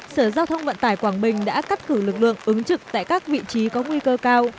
sở giao thông vận tải quảng bình đã cắt cử lực lượng ứng trực tại các vị trí có nguy cơ cao